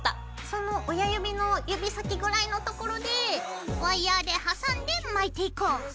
その親指の指先ぐらいの所でワイヤーで挟んで巻いていこう！